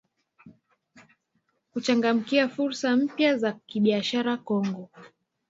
Kuchangamkia fursa mpya za kibiashara Kongo